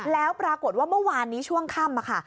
แล้วปรากฏว่าเมื่อวานนี้ช่วงค่ำค่ะ